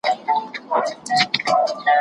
هغه زیاته کړه چي هلمند د ميړنیو خلکو کور دی.